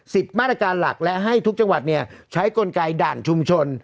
มาตรการหลักและให้ทุกจังหวัดเนี่ยใช้กลไกด่านชุมชน